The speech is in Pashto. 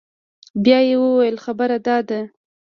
بيا يې وويل خبره دا ده.